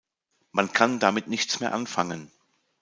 Man kann damit nichts mehr anfangen.